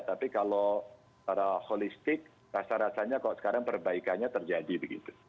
tapi kalau secara holistik rasa rasanya kok sekarang perbaikannya terjadi begitu